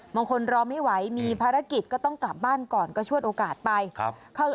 รอไม่ไหวมีภารกิจก็ต้องกลับบ้านก่อนก็ชวดโอกาสไป